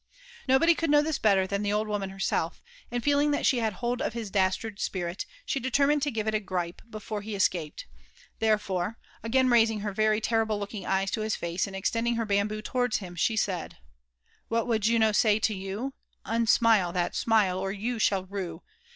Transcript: Nobody eouldi know ihia better than th# old woman herself, an^ feeling that she had hold of his dastard spirit, she determined togiwil a gripe Before he escaped; therefore, again raising her rery Inrfble teokiog oyca t» Ua hoe, and eiteadlag her bamboo towards him, she said: What would Juno say to you 7 Unsmiie that smite, or you shall md !